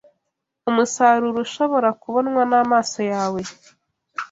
Umusaruro ushobora kubonwa n’amaso yawe,